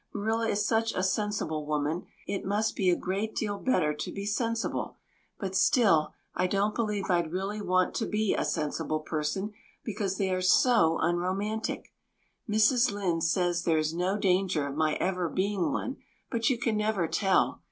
Marilla is such a sensible woman. It must be a great deal better to be sensible; but still, I don't believe I'd really want to be a sensible person, because they are so unromantic. Mrs. Lynde says there is no danger of my ever being one, but you can never tell.